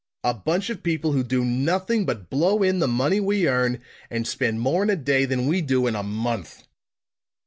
A bunch of people who do nothing but blow in the money we earn, and spend more in a day than we do in a month!"